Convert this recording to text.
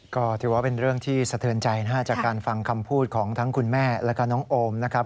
ก็ถือว่าเป็นเรื่องที่สะเทือนใจนะฮะจากการฟังคำพูดของทั้งคุณแม่แล้วก็น้องโอมนะครับ